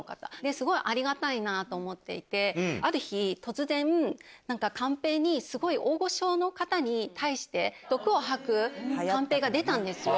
すごいありがたいなと思っていて、ある日、突然、なんかカンペにすごい大御所の方に対して毒を吐くカンペが出たんですよ。